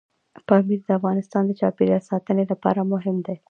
پامیر د افغانستان د چاپیریال ساتنې لپاره مهم دي.